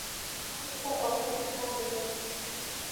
আমেরিকার অর্থনৈতিক মান দেখিয়া তিনি খুশী।